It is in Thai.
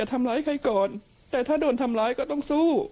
แต่ถ้าโดนทำร้ายก็ต้องสู้